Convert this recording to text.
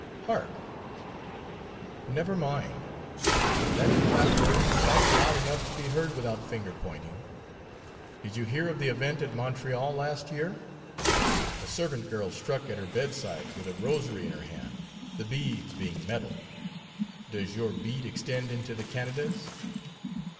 Hark!" "Never mind. That clap burst quite loud enough to be heard without finger pointing. Did you hear of the event at Montreal last year? A servant girl struck at her bed side with a rosary in her hand; the beads being metal. Does your beat extend into the Canadas?"